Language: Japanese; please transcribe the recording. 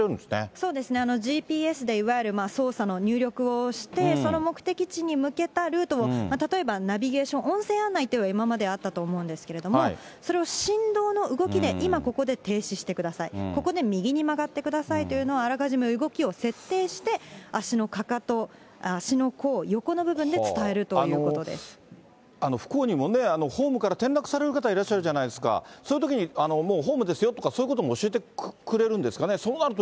そうですね、ＧＰＳでいわゆる操作の入力をして、そのもくてきちにむけたルートを、例えばナビゲーション、音声案内というのは今まであったと思うんですけれども、それを振動の動きで、今、ここで停止してください、ここで右に曲がってくださいというのを、あらかじめ設定して、足のかかと、足の甲、横の部分で伝えるという不幸にもね、ホームから転落される方いらっしゃるじゃないですか、そういうときに、もうホームですよとか、そういうことも教えてくれるんですかね？